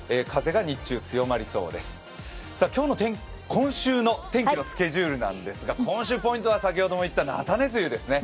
今週の天気のスケジュールなんですが今週ポイントは先ほど言った菜種梅雨ですね。